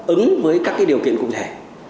ứng với các cái điều kiện cùng thể